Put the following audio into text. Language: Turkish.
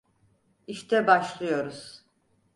İşte başIıyoruz.